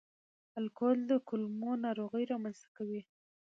الکول د کولمو ناروغي رامنځ ته کوي.